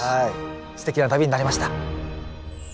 すてきな旅になりました。